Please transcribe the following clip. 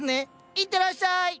いってらっしゃい！